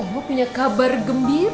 oh punya kabar gembira